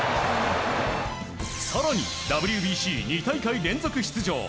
更に、ＷＢＣ２大会連続出場。